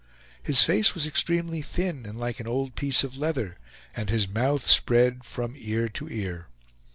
His face was extremely thin and like an old piece of leather, and his mouth spread from ear to ear.